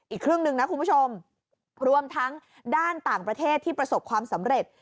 อีกครึ่งหนึ่งนะคุณผู้ชมรวมทั้งด้านต่างประเทศที่ประสบความสำเร็จ